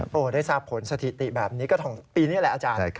โอ้โหได้ทราบผลสถิติแบบนี้ก็ปีนี้แหละอาจารย์